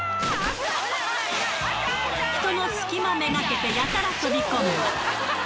人の隙間目がけて、やたら飛び込む。